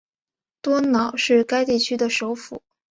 多瑙是该地区的首府。